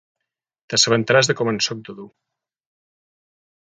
T'assabentaràs de com en soc de dur.